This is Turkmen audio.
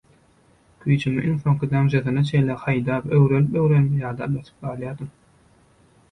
Güýjümiň iňsoňky damjasyna çenli haýdap öwrenip-öwrenip ýadap ýatyp galýadym.